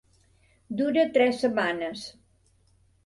Dura tres setmanes.